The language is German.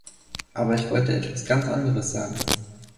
Aber ich wollte etwas ganz anderes sagen.